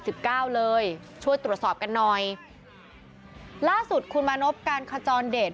เก้าเลยช่วยตรวจสอบกันหน่อยล่าสุดคุณมานพการขจรเดช